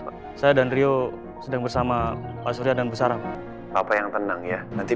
bakal ada kejutan buat kalian lagi